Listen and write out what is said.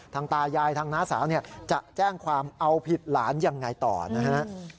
ทางตายายทางน้าสาวจะแจ้งความเอาผิดหลานอย่างไรต่อนะฮะ